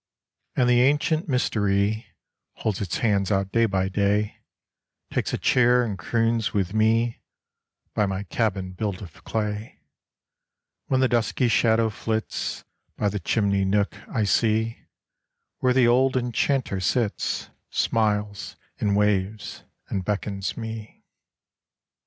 And the ancient mystery Holds its hands out day by day, Takes a chair and croons with me By my cabin built of clay. When the dusky shadow flits, By the chimney nook I see Where the old enchanter sits, Smiles, and waves, and beckons me.